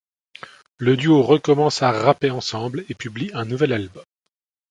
Le duo recommence à rapper ensemble et publie un nouvel album '.